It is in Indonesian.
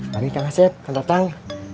mari kak nasib kita datang